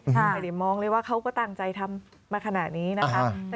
ไม่ได้มองเลยว่าเขาก็ตั้งใจทำมาขนาดนี้นะคะ